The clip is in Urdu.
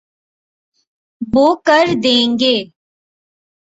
وہ کر دیں گے۔